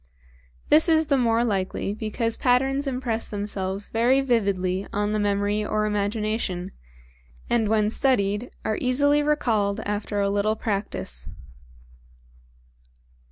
This is the more likely because patterns impress themselves very vividly on the memory or imagination, and when studied are easily recalled after a little practice.